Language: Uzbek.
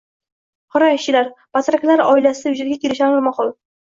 qora ishchilar — «batrak»lar oilasida vujudga kelishi — amri mahol.